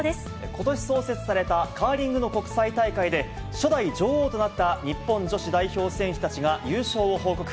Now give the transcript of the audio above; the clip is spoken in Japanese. ことし創設されたカーリングの国際大会で、初代女王となった日本女子代表選手たちが優勝を報告。